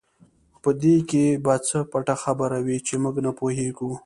په دې کې به څه پټه خبره وي چې موږ نه پوهېږو.